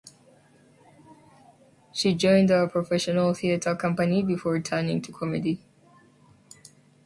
She joined a professional theatre company before turning to comedy.